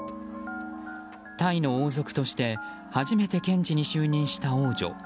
タイの王族として初めて検事に就任した王女。